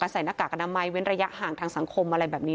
หน้ากากอนามัยเว้นระยะห่างทางสังคมอะไรแบบนี้